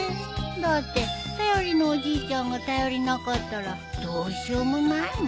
だって頼りのおじいちゃんが頼りなかったらどうしようもないもん。